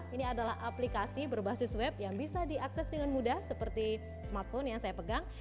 ini adalah aplikasi berbasis web yang bisa diakses dengan mudah seperti smartphone yang saya pegang